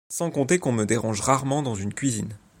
Sans compter qu’on me dérange rarement dans une cuisine.